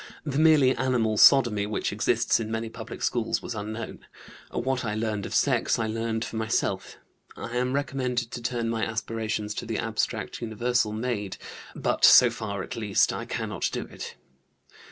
The merely animal sodomy which exists in many public schools was unknown. What I learned of sex I learned for myself. I am recommended to turn my aspirations to the abstract universal maid; but so far at least I cannot do it.